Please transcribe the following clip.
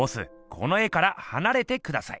この絵からはなれてください。